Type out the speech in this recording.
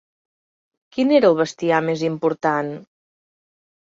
Quin era el bestiar més important?